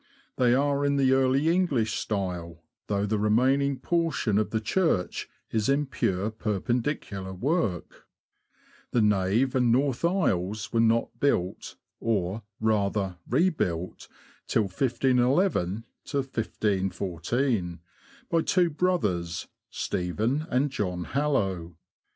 They are in the Early English style, though the remaining portion of the church is in pure Perpendicular work. The nave and north aisles were not built, or, rather, rebuilt, till 1511 1514, by two brothers — Stephen and John Hallow.